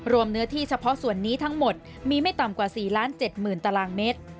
เนื้อที่เฉพาะส่วนนี้ทั้งหมดมีไม่ต่ำกว่า๔๗๐๐๐ตารางเมตร